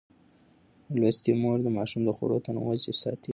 لوستې مور د ماشوم د خوړو تنوع ساتي.